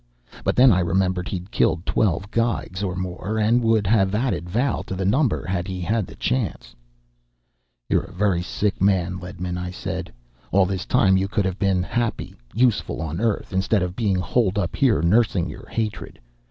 But then I remembered he'd killed twelve Geigs or more and would have added Val to the number had he had the chance. "You're a very sick man, Ledman," I said. "All this time you could have been happy, useful on Earth, instead of being holed up here nursing your hatred.